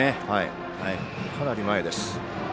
かなり前です。